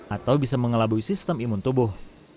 atau bisa mengelabui sistem imun tubuh